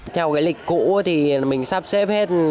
theo cái lịch cũ thì mình sắp xếp hết